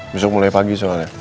besok mulai pagi soalnya